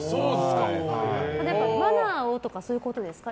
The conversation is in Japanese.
マナーをとかそういうことですか？